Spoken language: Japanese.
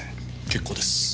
結構です。